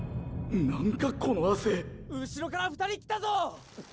この汗後ろから２人来たぞ！